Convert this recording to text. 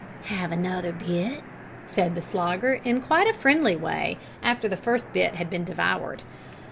"Have another bit?" said the Slogger in quite a friendly way, after the first bit had been devoured.